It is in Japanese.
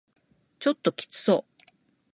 ちょっときつそう